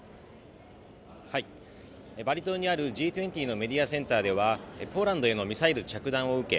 バリ島にあるＧ２０のメディアセンターではポーランドへのミサイル着弾を受け